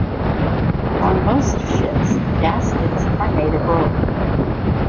On most ships, gaskets are made of rope.